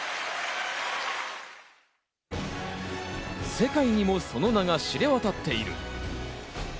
世界にも、その名が知れ渡っている。